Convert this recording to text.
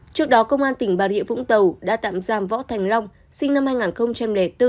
trước đó công an tp hcm đã tạm giam võ thành long sinh năm hai nghìn bốn